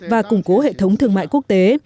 và củng cố hệ thống thương mại quốc tế